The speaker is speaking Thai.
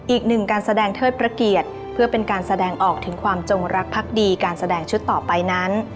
อีกหนึ่งการแสดงเทิดพระเกียรติเพื่อเป็นการแสดงออกถึงความจงรักพักดีการแสดงชุดต่อไปนั้น